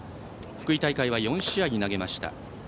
福井大会は４試合に投げました。